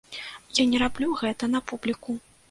Я не раблю гэта на публіку.